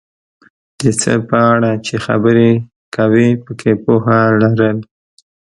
د څه په اړه چې خبرې کوې پکې پوهه لرل،